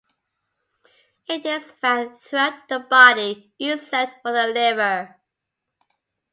It is found throughout the body, except for the liver.